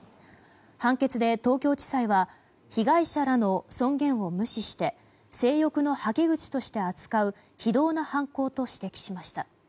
判決で東京地裁は被害者らの尊厳を無視して性欲のはけ口として扱う非道な犯行と指摘しました。